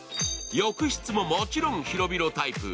浴室ももちろん広々タイプ。